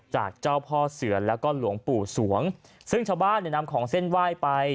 จากเจ้าพ่อเสือแล้วก็หลวงปู่สวงซึ่งชาวบ้านเนี่ยนำของเส้นไหว้ไป